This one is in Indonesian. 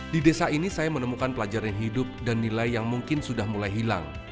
di desa ini saya menemukan pelajaran hidup dan nilai yang mungkin sudah mulai hilang